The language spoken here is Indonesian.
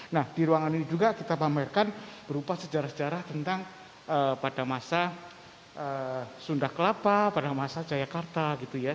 nah di ruangan ini juga kita pamerkan berupa sejarah sejarah tentang pada masa sunda kelapa pada masa jayakarta gitu ya